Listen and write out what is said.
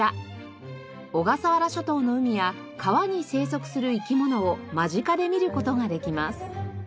小笠原諸島の海や川に生息する生き物を間近で見る事ができます。